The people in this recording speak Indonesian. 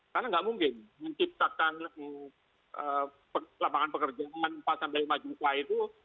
karena nggak mungkin menciptakan lapangan pekerjaan pasang dari maju kla itu